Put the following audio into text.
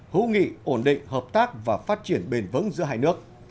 hữu nghị ổn định hợp tác và phát triển bền vững giữa hai nước